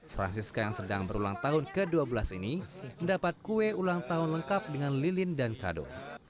francisca yang sedang berulang tahun ke dua belas ini mendapat kue ulang tahun lengkap dengan lilin dan kado